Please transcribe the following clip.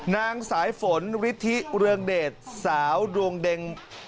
นางสายฝนฤทธิเรืองเดชสาวดวงเด็ง